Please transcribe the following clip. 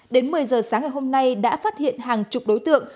đến một mươi giờ sáng ngày hôm nay đã phát hiện hàng chục đối tượng